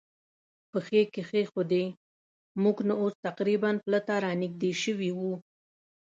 پښې کېښوودې، موږ نو اوس تقریباً پله ته را نږدې شوي و.